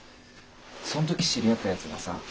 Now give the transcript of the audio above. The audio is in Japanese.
そん時知り合ったヤツがさ